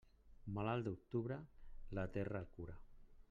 Malalt d'octubre, la terra el cura.